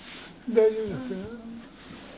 大丈夫ですよ。